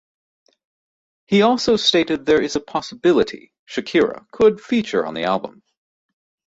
He also stated there is a possibility Shakira could feature on the album.